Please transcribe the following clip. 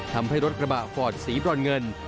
ทำให้รถกระบะฟอร์ดสีบรอนเงิน